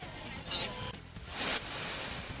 บอกหน่อยจิต่า